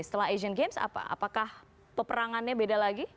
setelah asian games apakah peperangannya beda lagi